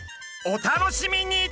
お楽しみに！